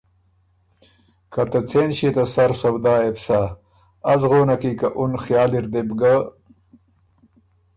که ته څېن ݭيې ته سر سودا يې بو سَۀ؟ از غونه کی که اُن خیال اِر دې بو ګۀ